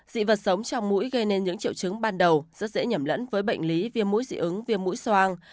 dị vật sống trong mũi gây nên những triệu chứng ban đầu rất dễ nhầm lẫn với bệnh lý viêm mũi dị ứng viêm mũi soang